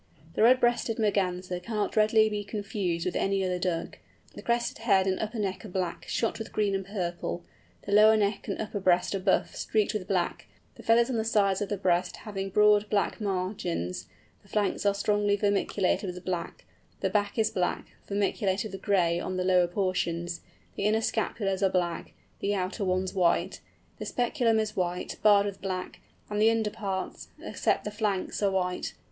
The Red breasted Merganser cannot readily be confused with any other Duck. The crested head and upper neck are black, shot with green and purple, the lower neck and upper breast are buff, streaked with black, the feathers on the sides of the breast having broad black margins, the flanks are strongly vermiculated with black, the back is black, vermiculated with gray on the lower portions, the inner scapulars are black, the outer ones white, the speculum is white, barred with black, and the underparts (except the flanks) are white.